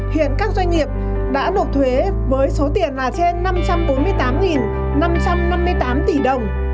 hiện các doanh nghiệp đã nộp thuế với số tiền là trên năm trăm bốn mươi tám năm trăm năm mươi tám tỷ đồng